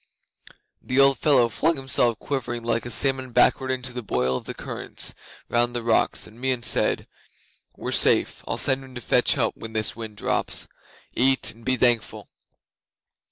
'The old fellow flung himself quivering like a salmon backward into the boil of the currents round the rocks, and Meon said, "We're safe. I'll send him to fetch help when this wind drops. Eat and be thankful."